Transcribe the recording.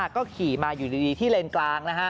ก็ขี่มาอยู่ดีที่เลนกลาง